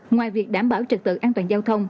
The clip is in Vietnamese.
ngoài việc đảm bảo trật tự an toàn giao thông